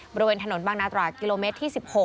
บริเวณถนนบางนาตรากิโลเมตรที่๑๖